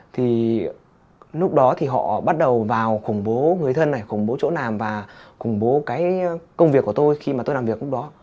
thì lúc đó thì họ bắt đầu vào khủng bố người thân này khủng bố chỗ nàm và khủng bố cái công việc của tôi khi mà tôi làm việc lúc đó